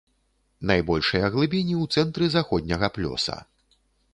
Найбольшыя глыбіні ў цэнтры заходняга плёса.